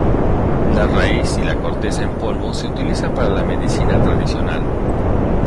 La raíz y la corteza en polvo se utiliza para la medicina tradicional.